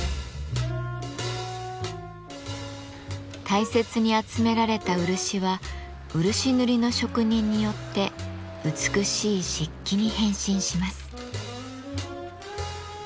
大切に集められた漆は漆塗りの職人によって美しい漆器に変身します。